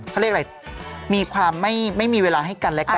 เขาเรียกอะไรมีความไม่มีเวลาให้กันและกัน